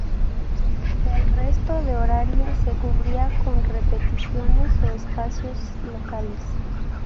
El resto del horario se cubría con repeticiones o espacios locales.